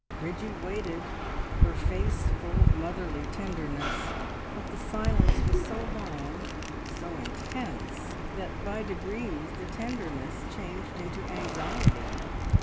Bridgie waited, her face full of motherly tenderness, but the silence was so long, so intense, that by degrees the tenderness changed into anxiety.